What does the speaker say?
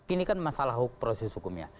ini kan masalah proses hukum ya